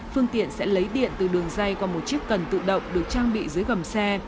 phương tiện sẽ lấy điện từ đường dây qua một chiếc cần tự động được trang bị dưới gầm xe